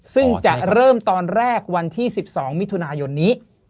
ซึ่งจะเริ่มตอนแรกวันที่๑๒มิถุนายนนี้